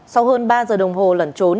sau hơn ba h đồng hồ lần trốn